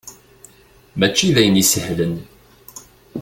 Mačči d ayen isehlen.